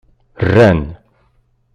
Rran.